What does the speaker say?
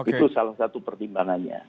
itu salah satu pertimbangannya